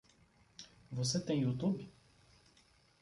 Você tem YouTube?